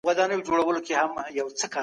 تیری کوونکي باید مجازات سي.